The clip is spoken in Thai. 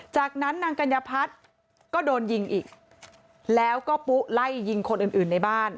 จากนั้นนางกัญญพัฒน์ก็โดนยิงอีกแล้วก็ปุ๊ไล่ยิงคนอื่นอื่นในบ้าน